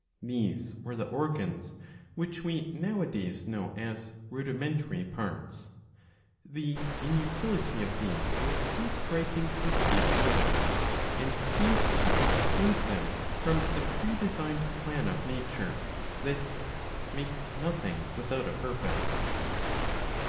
These were the organs which we now a days know as rudimentary parts. The inutility of these was too striking to escape notice, and seemed to exclude them from the predesigned plan of Nature, that " makes nothing without a purpose."